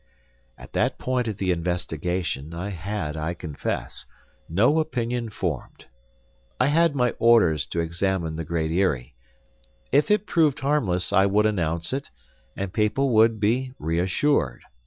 At that point of the investigation I had, I confess, no opinion formed. I had my orders to examine the Great Eyrie. If it proved harmless, I would announce it, and people would be reassured.